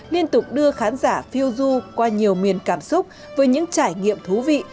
liên tục đưa khán giả phiêu du qua nhiều miền cảm xúc với những trải nghiệm thú vị